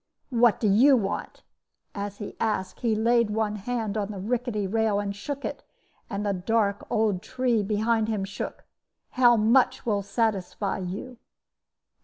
"'What do you want!' As he asked, he laid one hand on the rickety rail and shook it, and the dark old tree behind him shook. 'How much will satisfy you?'